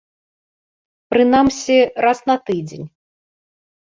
Прынамсі, раз на тыдзень.